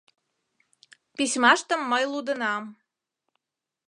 Письмаштым мый лудынам...